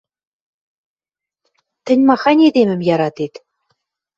— Тӹнь махань эдемӹм яратет?